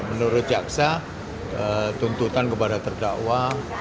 menurut jaksa tuntutan kepada terdakwa